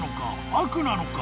悪なのか？］